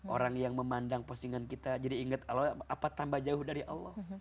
orang yang memandang postingan kita jadi ingat allah apa tambah jauh dari allah